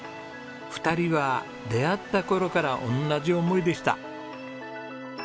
２人は出会った頃から同じ思いでした。